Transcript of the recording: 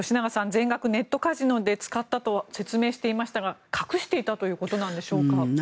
全額ネットカジノで使ったと説明していましたが、隠していたということなんでしょうか。